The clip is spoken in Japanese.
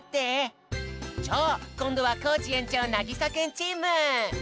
じゃあこんどはコージ園長なぎさくんチーム！